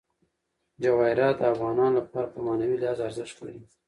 جواهرات د افغانانو لپاره په معنوي لحاظ ارزښت لري.